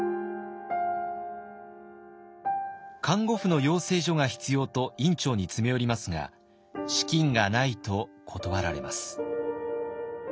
「看護婦の養成所が必要」と院長に詰め寄りますが「資金がない」と断られます。